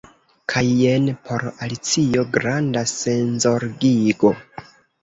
Kaj jen por Alicio granda senzorgigo.